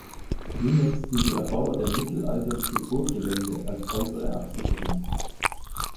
Ihn nutzten die Erbauer der mittelalterliche Burggelände als äußere Absicherung.